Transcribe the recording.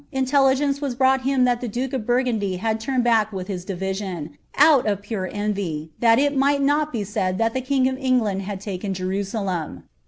intelligence was brought )itin that the duke of Biir [ lumuil back with his division, out of pure etivy, thai it might id that ihc king of England had Uiken Jerusalem.